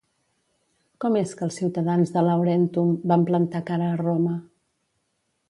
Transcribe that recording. Com és que els ciutadans de Laurentum van plantar cara a Roma?